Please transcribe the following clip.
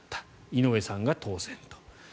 井上さんが当選と。